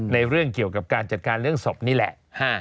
เรื่องเกี่ยวกับการจัดการเรื่องศพนี่แหละ